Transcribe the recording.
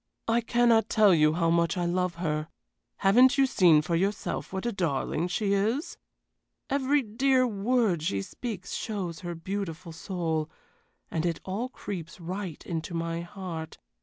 "I cannot tell you how much I love her. Haven't you seen for yourself what a darling she is? Every dear word she speaks shows her beautiful soul, and it all creeps right into my heart.